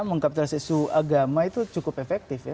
mengkapitalisasi isu agama itu cukup efektif ya